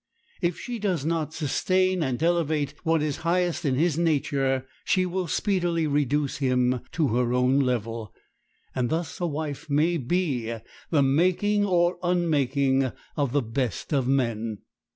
If she does not sustain and elevate what is highest in his nature, she will speedily reduce him to her own level. Thus a wife may be the making or unmaking of the best of men.